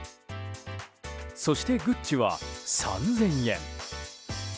そしてグッチは３０００円。